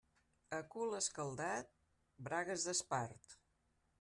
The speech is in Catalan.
A cul escaldat, bragues d'espart.